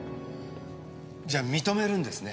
じゃあ認めるんですね？